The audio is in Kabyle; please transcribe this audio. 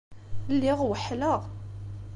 Lliɣ weḥḥleɣ.